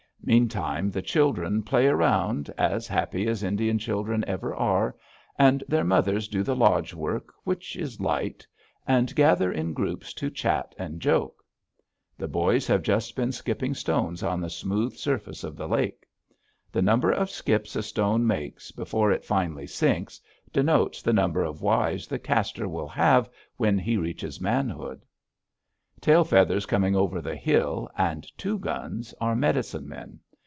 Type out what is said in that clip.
Meantime the children play around, as happy as Indian children ever are, and their mothers do the lodge work, which is light, and gather in groups to chat and joke. The boys have just been skipping stones on the smooth surface of the lake. The number of skips a stone makes before it finally sinks, denotes the number of wives the caster will have when he reaches manhood. Tail Feathers Coming over the Hill and Two Guns are medicine men.